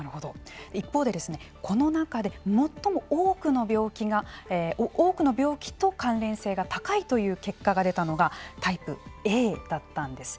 一方でこの中で最も多くの病気が多くの病気と関連性が高いという結果が出たのがタイプＡだったんです。